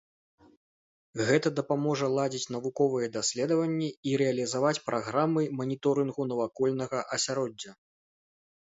Гэта дапаможа ладзіць навуковыя даследаванні і рэалізаваць праграмы маніторынгу навакольнага асяроддзя.